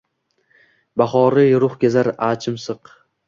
Bahoriy ruh kezar achimsiq.